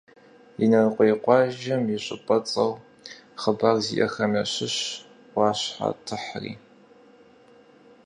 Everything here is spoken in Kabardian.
Инарыкъуей къуажэм и щӏыпӏэцӏэхэу хъыбар зиӏэхэм ящыщщ «ӏуащхьэтыхьри».